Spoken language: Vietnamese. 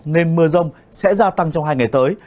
nên mưa rông sẽ gia tăng trong hai ngày tới